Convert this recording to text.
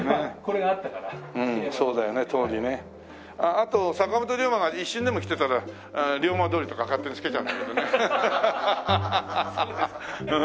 あと坂本龍馬が一瞬でも来てたら龍馬通りとか勝手に付けちゃうんだけどね。